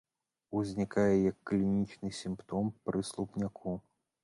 Узнікае як клінічны сімптом пры слупняку.